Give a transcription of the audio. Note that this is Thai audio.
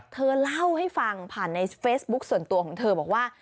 เธอเล่าให้ฟังผ่านในเฟซบุ๊คส่วนตัวของเธอบอกว่า